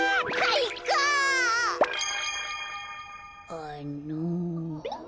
あの。